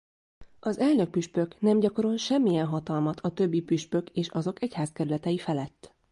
Az elnök-püspök nem gyakorol semmilyen hatalmat a többi püspök és azok egyházkerületei felett.